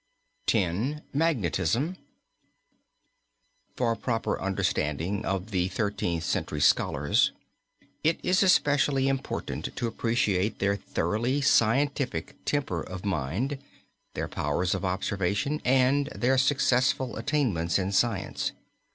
X. MAGNETISM. For proper understanding of the Thirteenth Century scholars, it is especially important to appreciate their thoroughly scientific temper of mind, their powers of observation, and their successful attainments in science.